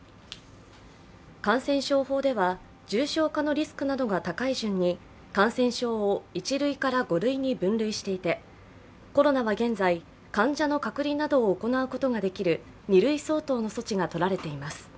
感染症法では重症化のリスクなどが高い順に感染症を１類から５類に分類していて、コロナは現在、患者の隔離などを行うことができる２類相当の措置が取られています。